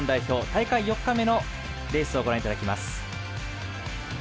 大会４日目のレースをご覧いただきます。